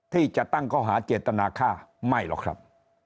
ที่จะตั้งข้อหาเจตนาฆ่าไม่หรอกครับ